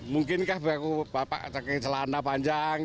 mungkinkah baku bapak pakai celana panjang